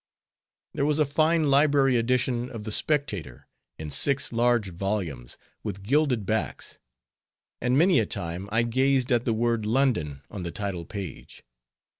There was a fine library edition of the Spectator, in six large volumes with gilded backs; and many a time I gazed at the word "London" on the title page.